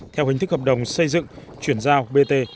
theo hình thức hợp đồng xây dựng chuyển giao bt